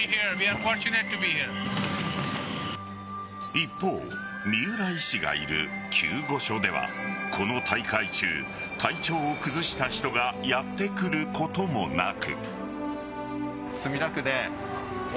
一方三浦医師がいる救護所ではこの大会中、体調を崩した人がやってくることもなく。